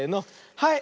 はい。